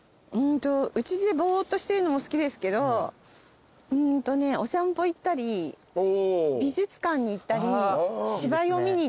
うちでぼーっとしてるのも好きですけどお散歩行ったり美術館に行ったり芝居を見に行ったり。